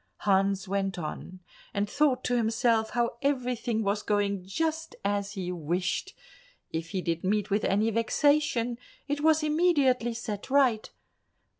Hans went on, and thought to himself how everything was going just as he wished; if he did meet with any vexation it was immediately set right.